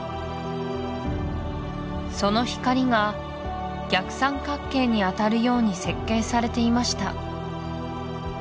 その光が逆三角形に当たるように設計されていました